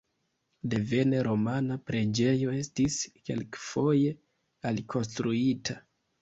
Devene romana preĝejo estis kelkfoje alikonstruita.